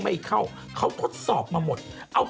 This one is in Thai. พี่ปุ้ยลูกโตแล้ว